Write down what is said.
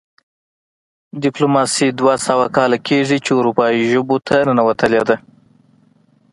ډیپلوماسي دوه سوه کاله کیږي چې اروپايي ژبو ته ننوتلې ده